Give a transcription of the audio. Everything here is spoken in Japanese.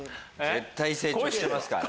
絶対成長してますから。